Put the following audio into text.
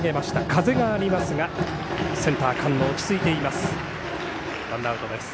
風がありますが、センター、菅野落ち着いています。